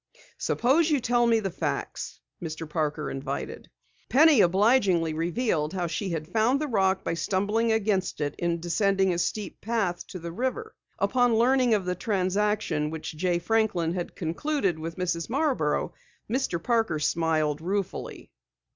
"Suppose you tell me the facts," Mr. Parker invited. Penny obligingly revealed how she had found the rock by stumbling against it in descending a steep path to the river. Upon learning of the transaction which Jay Franklin had concluded with Mrs. Marborough, Mr. Parker smiled ruefully.